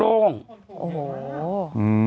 โอ้โห